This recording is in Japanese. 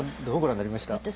どうご覧になりました？